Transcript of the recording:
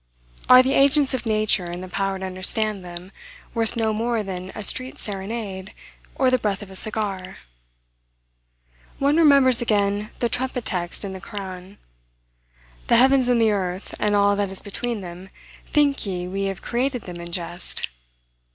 Are the agents of nature, and the power to understand them, worth no more than a street serenade, or the breath of a cigar? One remembers again the trumpet text in the Koran "The heavens and the earth, and all that is between them, think ye we have created them in jest?"